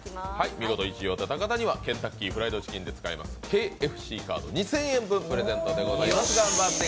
見事１位を当てた方には、ケンタッキーフライドチキンで使えるＫＦＣカード２０００円分プレゼントでございます。